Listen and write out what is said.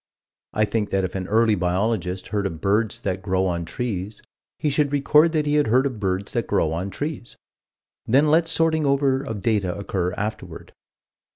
I think that if an early biologist heard of birds that grow on trees, he should record that he had heard of birds that grow on trees: then let sorting over of data occur afterward.